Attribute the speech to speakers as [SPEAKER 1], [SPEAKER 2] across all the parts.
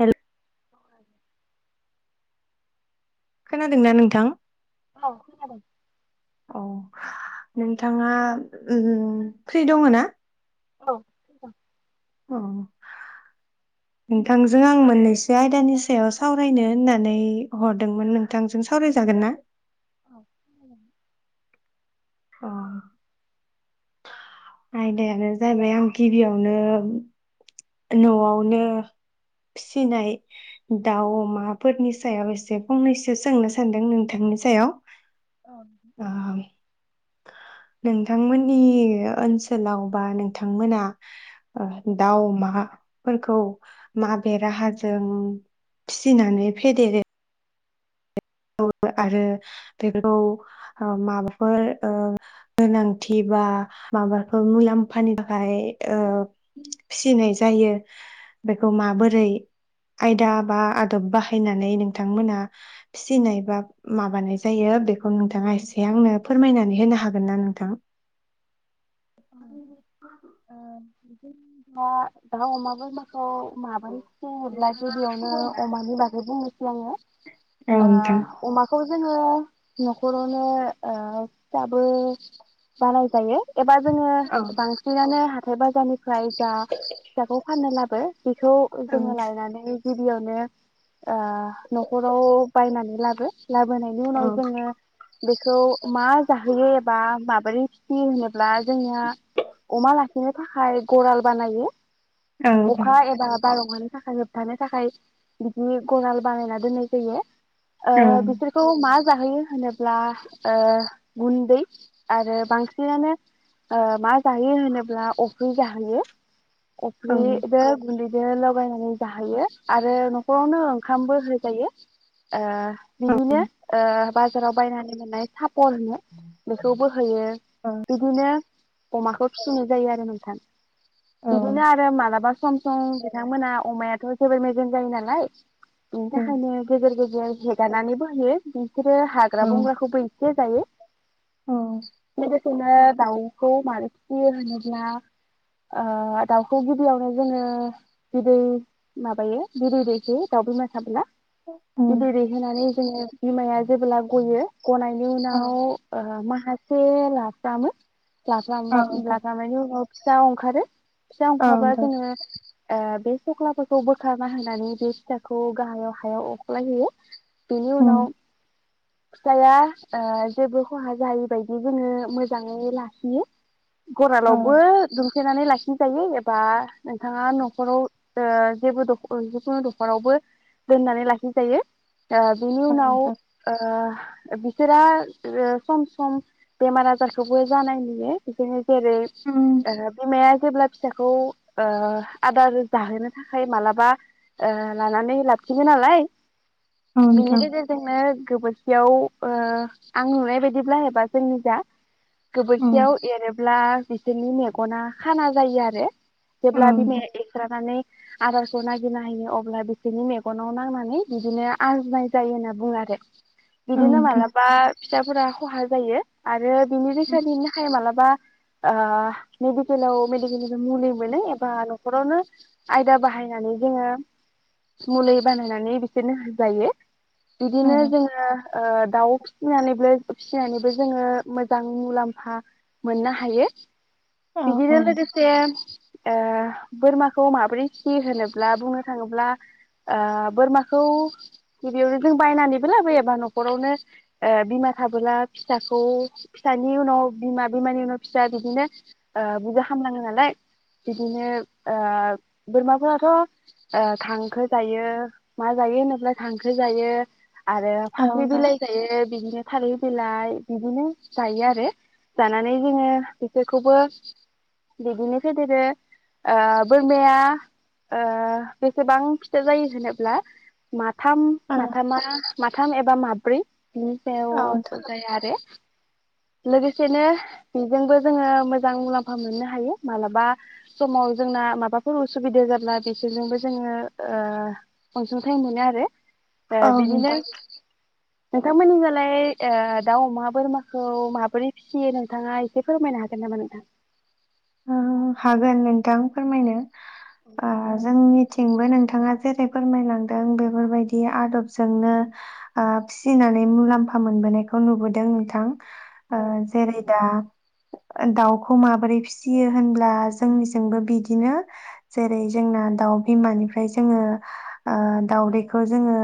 [SPEAKER 1] हेल
[SPEAKER 2] [unintelligible]
[SPEAKER 1] खोनादोंना नोंथां?
[SPEAKER 2] औ खोनादों।
[SPEAKER 1] औ नोंथाङा उम फ्रि दंङना?
[SPEAKER 2] औ
[SPEAKER 1] अ, [inaudible] नोंथांजों आं मोननैसो आयदानि सायाव सावरायनो होननानै हरदोंमोन नोंथांजों सावरायजागोन ना?
[SPEAKER 2] [inaudible]
[SPEAKER 1] अ आयदायानो जाबाय आं गिबियावनो न'आवनो, फिसिनाय दाउ अमाफोरनि सायाव एसे फंनैसो सोंनो सानदों नोंथांनि सायाव ।
[SPEAKER 2] औ
[SPEAKER 1] नोंथांमोननि ओनसोलाव बा नोंथांमोना ओ दाउ, अमा फोरखौ माबे राहाजों फिसिनानै फेदेरो? [inaudible] आरो बे [inaudible] खौ [unintelligible] माबाफोर ओ गोनांथि बा माबाफोर मुलाम्फानि थाखाय ओ फिसिनाय जायो बेखौ माबोरै आयदा बा आदब बाहायनानै नोंथांमोना फिसिनाय बा माबानाय जायो बेखौ नोंथाङा एसे आंनो फोरमायनानै होनो हागोन ना नोंथां? [inaudible]
[SPEAKER 2] बिदिनो दा दाउ अमा बोरमाखौ माबोरै [inaudible] ङोब्ला गिबियावनो अमानि बागै बुंनोसै आङो।
[SPEAKER 1] औ नोंथां
[SPEAKER 2] ओ अमाखौ जों [inaudible] न'खरावनो ओ दाबो बानाय जायो। जोङो
[SPEAKER 1] औ
[SPEAKER 2] बांसिनानो हाथाइ बाजारनिफ्राय जा फिसाखौ फाननो लाबो बेखौ
[SPEAKER 1] औ
[SPEAKER 2] जोङो लायनानै गिबियावनो ओ न'खराव बायनानै लाबो लाबोनायनि उनाव
[SPEAKER 1] औ
[SPEAKER 2] जोङो बेखौ मा जाहोयो एबा मा बोरै फिसियो होनोब्ला जोंनिया अमा ला [inaudible] थाखाय गराल बानायो
[SPEAKER 1] औ
[SPEAKER 2] अखा एबा बार [inaudible] थाखा जोबथानो थाखाय बिदि गराल बानायना दोननाय जायो ओ
[SPEAKER 1] नोंथां
[SPEAKER 2] बिसोरखौ मा जाहोयो होनोब्ला ओ गुन्दै आरो बांसिनानो ओ मा जायो होनोब्ला अफ्रि जाहोयो
[SPEAKER 1] ओ
[SPEAKER 2] अफ्रिदो गुन्दै बिदिनो लगायनानै जाहोयो आरो न'खरावनो ओंखामबो होजायो ओ बिदिनो ओ बाजाराव बायनानै मोननाय फरनो बेखौबो होयो बिदिनो अमाखौ फिसिनाय जायो आरो नोंथां
[SPEAKER 1] औ
[SPEAKER 2] बिदिनो आरो मालाबा सम बिथांमोना अमायाथ' जोबोर मेजेम जायो नालाय बिनि थाखायनो
[SPEAKER 1] नोंथां
[SPEAKER 2] गेजेर गेजेर हेगारनानैबो होयो बिसोरो हाग्रा बंग्राखौबो इसे जायो
[SPEAKER 1] औ नोंथां
[SPEAKER 2] खौनो दाउ खौ मारै फिसियो होनोब्ला ओ दाउखौ गिबियावनो जोङो बिदै माबायो बिदै दैहोयो दाउ बिमा थाबोला
[SPEAKER 1] ओ
[SPEAKER 2] बिदै दैहोनानै जोङो बिमाया जेबोला गयो गनायनि उनाव ओ माख- [unintelligible] [unintelligible] लाखांनायनि उनाव फिसा ओंखारो फिसा अंखारबा जोङो ओ बे सख्लाफोरखौ बोखारना होनानै बे फिथाखौ गाहायाव हायाव अख्लायहैयो बेनि उनाव फिसाया ओ जेबो खहा जायैबायायदि जोङो मोजाङै ला खियो गरालावबो द सथेनानै लाखिजायो एबा नोंथाङा न'खराव ओ जेबो जिखुनु दख'रावबो दोननानै लाखिजायो ओ बिनि उनाव ओ बिसोरा सम सम बेमार आजारखौबो जानाय नुयो बिदिनो जेरै बिमाया जेब्ला फिसाखौ ओ आदार जाहोनो थाखाय मालाबा ओ लानानै लाबफिनो नालाय । बेनि गेजेरजोंनो गोबोर बेयाव ओ आं नुनाय बायदिब्ला एबा जोंनि जा गोबोरखियाव एरो ब्ला बिसोरनि मेगना खाना जायो आरो । जेब्ला बिमाया एस्रानानै आदारखौ नागिरना होयो अब्ला बिसोरनि मेगनाव नांनानै बिदिनो आजनाय जायो होनना बुङो आरो । बिदिनो मालाबा फिसाफोरा खहा जायो आरो बिनि [unintelligible] [unintelligible] मालाबा ओ मेडिकेलाव [unintelligible] मुलि मोनो एबा न'खरावनो आयदा बाहायनानै जोङो मुलि बानायनानै बिसोरनो होजायो । बिदिनो जोङो ओ दाउ फिसिनानैबो फिसिनानैबो जोङो मोजां मुलाम्फा मोननो हायो । बिदिनो लोगोसे ओ बोरमाखौ माबोरै [unintelligible] होनोब्ला बुंनो थाङोब्ला ओ बोरमाखौ गिबियावनो जों बायनानैबो लाबोयोबा न'खरावनो ओ बिमा थाबोला फिसाखौ फिसानि उनाव बिमा बिमानि उनाव फिसा बिदिनो ओ बिजा खामलाङो नालाय बिदिनो ओ बोरमाफोराथ' ओ खांखो जायो मा जायो होनोब्ला खांखो जायो । आरो फाख्रि बिलाइ जायो । बिदिनो थारै बिलाइ बिदिनो जायो आरो जानानै जोङो बिसोरखौबो बिदिनो फेदेरो ओ बोरमाया ओ बेसेबां फिथा जायो होनोब्ला मा थाम माथामा माथ थाम एबा माब्रै । बिनि सायाव जाया आरो । लोगोसेनो बेजोंबो जोङो मोजां मुलाम्फा मोननो हायो मालाबा समाव जोंना माबाफोर उसुबिदा जाब्ला बिसोरजोंबो जोङो ओ अनसुंथाइ मोनो आरो । ए बिदिनो नोंथांमोननिजालाय ओ दाउ अमा बोरमा खौ माबोरै फिसियो नोंथाङा एसे फोरमायनो हागोन नामा नोंथां?
[SPEAKER 1] ओ हागोन नोंथां फोरमायनो । औ जोंनि थिंबो नोंथाङा जेरै फोरमायलांदों बेफोरबायदि आदबजोंनो ओ फिसिनानै मुलाम्फा मोनबोनायखौ नुबोदों नोंथां ।
[SPEAKER 2] औ
[SPEAKER 1] ओ जेरै दा दाउखौ माबोरै फिसि सियो होनब्ला जोंनिजोंबो बिदिनो जेरै जोंना दाउ बिमानिफ्राय जोङो ओ दाउदैखौ जोङो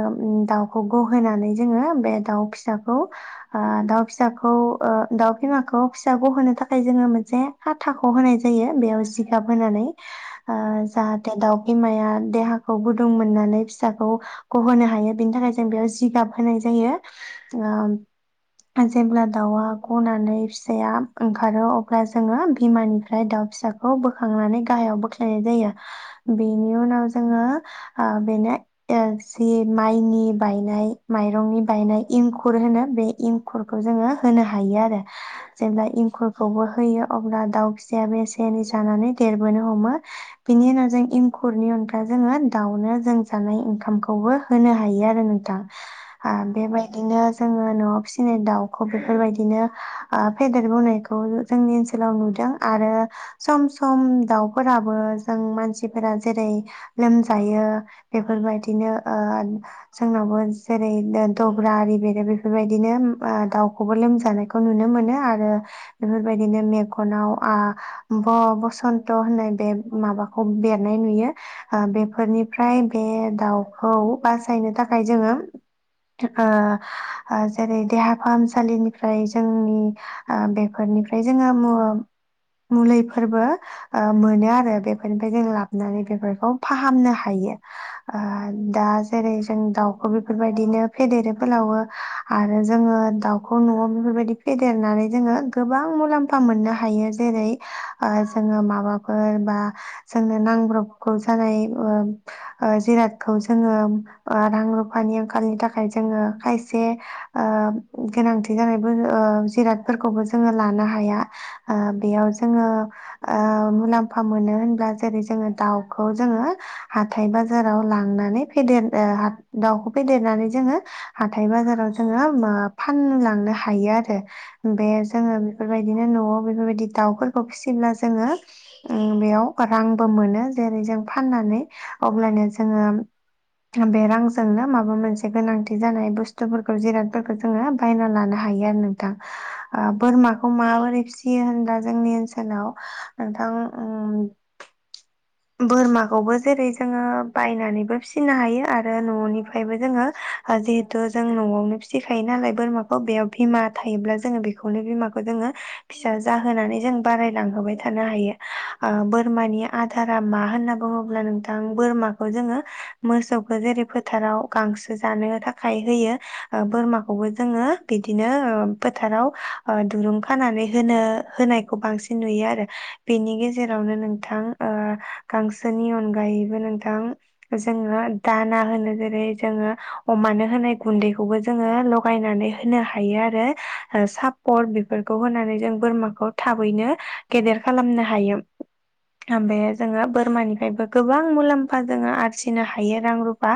[SPEAKER 1] दाउखौ गहोनानै जोङो बे दाउ फिसाखौ ओ दाउ फिसाखौ ओ दाउ बिमाखौ फिसा गहोनो थाखाय जोङो मोनसे फाथ थाख' होनाय जायो बेयाव जिगाब होनानै ओ जाहाथे दाउ इमाया देहाखौ गुदुं मोननानै फिसाखौ गहोनो हायो बिनि थाखाय जों बेयाव जिगाब होनाय जायो । ओ । जेब्ला दाउआ गनानै फिसाया ओंखारो अब्ला जोंङो बिमानिफ्राय दाउ फिसाखौ बोखांनानै गाहायाव बोख्लायनाय जायो। बेनि उनाव जोंङो आ बेनो जि माइनि बायनाय मायरंनि बायनाय एंखुर होनो बे इं खुरखौ जोंङो होनो हायो आरो। जेब्ला एंखुरखौबो होयो अब्ला दाउ फिसायाबो एसे एनै जानानै देरबोनो हमो, बिनि उनाव जों एंखुरनि अनगा जोंङो दाउनो जों जानाय ओंखामखौबो होनो हायो आरो नोंथां। ओ
[SPEAKER 2] औ
[SPEAKER 1] बेबायदिनो जोंङो न'आव फिसिनाय दाउखौ बेफोरबायदिनो फेदेरबोनायखौ जोंनि ओनसोलाव नु दों आरो सम सम दाउफोराबो जों मानसिफोरा जेरै लोमजायो बेफोरबायदिनो जोंनावबो जेरै दब्रा आरि बेरो बेफोरबायदिनो दाउखौबो लोमजानायखौ नुनो मोनो आरो बेफोरबायदिनो मेग नाव आ ब- बसन्त होननाय बे माबाखौ बेरनाय नुयो ओ बेफोरनिफ्राय बे दाउखौ बासायनो थाखाय जोंङो ओ जेरै देहा फाहामसालिनिफ्राय जोंनि बेफोरनिफ्राय जोंङो मुलिफोरबो मोनो आरो बेफोरनिफ्राय जों लाबोनानै बेफोरखौ फाहामनो हायो ओ दा जेरै जों दाउखौ बेफोरबायदिनो फेदेरो फोलावो आरो जोंङो दाउखौ न'आव बेफोरबायदि फेदेरनानै जोंङो गोबां मुलाम्फा मोननो हा हायो जेरै जोंङो माबाफोर बा जोंनो नांब्रबगौ जानाय ओ जिरादखौ जोंङो ओ रां-रुफानि आंखालनि थाखाय जोंङो खायसे ओ गोनांथि जानाय ओ जिरादफोरखौबो जोंङो लानो हाया ओ बेयाव जोंङो ओ मुलाम्फा मोनो होनब्ला जेरै जोंङो दाउखौ जोंङो हाथाय बाजाराव लांनानै फेदेर दाउखौ फेदेरनानै जोंङो हाथथाय बाजाराव जोङो फानलांनो हायो आरो। बे जोंङो बेफोरबाय बिनो न'आव बेफोरबायदि दाउफोरखौ फिसिब्ला जोंङो ओ बेयाव रांबो मोनो जेरै‌ जों फाननानै अब्लानो जोंङो बे रांजोंनो माबा मोनसे गोनांथि जानाय बुस्थुफोरखौ जिरादफोरखौ जोंङो बायना लानो हायो आरो नोंथां। ओ बोरमाखौ माबोरै फियो होनब्ला जोंनि ओनसोलाव नोंथां ओम बोरमाखौबो जेरै जोंङो बायनानैबो फिसिनो हायो आरो न'निफ्रायबो जोंङो जिहेथु जों न'आवनो फिसिखायो नालाय बोरमाखौ बेयाव बिमा थायोब्ला जोंङो बेखौनो बिमाखौ जोंङो फिसा जाहोनानै जों बारायलांहोबाय थानो हायो ओ बोरमानि आ दारा मा होनना बुङोब्ला नोंथां बोरमाखौ जोंङो मोसौखौ जेरै फोथाराव गांसो जानो थाखाय होयो बोरमाखौबो जोंङो बिदिनो फोथाराव ओ दुरुं खानानै होनो-होनायखौ बांसिन नुयो आरो बेनि गेजेरावनो नोंथां ओ गांसोनि अनगायैबो नोंथां जोंङो दाना होनो जेरै जोंङो अमानो होनाय गुन्दैखौबो जोंङो लगायनानै होनो हायो आरो सापर बेफोरखौ होनानै जों बोरमाखौ थाबैनो गेदेर खालामनो हायो। बे जोंङो बोरमानिफ्रायबो गोबां मुलाम्फा जोंङो आरजिनो हायो रां रुफा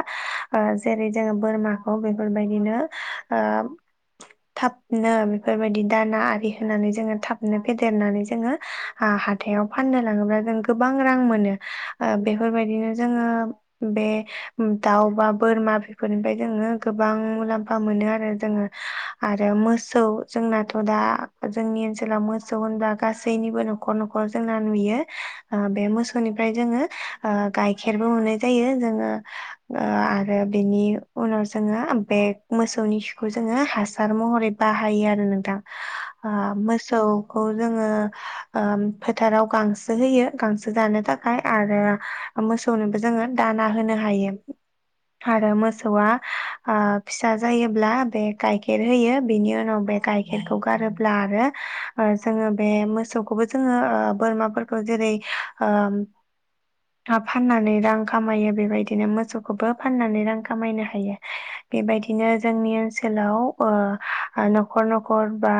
[SPEAKER 1] ओ जेरै जोंङो बोरमाखौ बेफोरबायदिनो ओ थाबनो बेफोरबायदि दाना आरि होनानै जोंङो थाबनो फेदेरनानै जोंङो हाथायाव फाननो लाङोब्ला गोबां रां मोनो ओ बेफोरबायदिनो जोंङो बे दाउ बा बोरमा बेफोरनिफ्राय जोंङो गोबां मुलाम्फा मोनो आरो जोंङो आरो मोसौ जोंनाथ' दा जोंनि ओनसोलाव मोसौ होनब्ला गासैनिबो न'खर-न'खर जोंना नुयो ओ बे मोसौनिफ्राय जोंङो ओ गाइखेरबो मोननायबो जायो जोंङो आरो बेनि उनाव जोंङो बे मोसौनि खिखौ जोंङो हासार महरै बाहायो आरो नोंथां। ओ
[SPEAKER 2] औ
[SPEAKER 1] मोसौखौ जोंङो ओ फोथाराव गांसो होयो गांसो जानो थाखाय आरो मोसौनोबो जोंङो दाना होनो हायो आरो मोसौआ फिसा जायोब्ला बे गाइखेर होयो बेनि उनाव बे गाइखेरखौ गारोब्ला आरो जोंङो बे मोसौखौबो जोंङो बोरमाफोरखौ जेरै ओ फाननानै रां खामायो बेबायदिनो मोसौखौबो फाननानै रां खामायनो हायो बेबायदिनो जोंनि ओनसोलाव न'खर-न'खर बा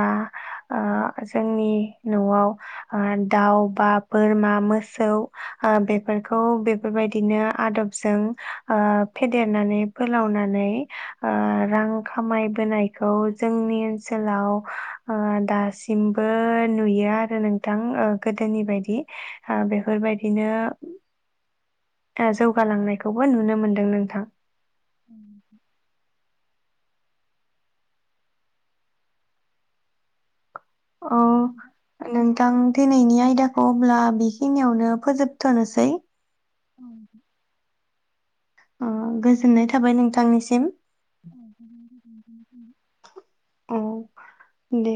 [SPEAKER 1] जोंनि न'आव दाउ बा बोरमा मोसौ बेफोरखौ बेफोरबायदिनो आदबजों फेदेरनानै फोलावनानै रां खामायबोनायखौ जोंनि ओनसोलाव दासिमबो नुयो आरो नोंथां गोदोनि बायदि बेफोरबायदिनो जौगालांनायखौबो नुनो मोनदों नोंथां।
[SPEAKER 2] [inaudible]
[SPEAKER 1] औ नोंथां दिनैनि आयदाखौ अब्ला बेखिनियावनो फोजोबथ'नोसै अ गोजोननाय थाबाय नोंथांनिसिम औ
[SPEAKER 2] [unintelligible]
[SPEAKER 1] दे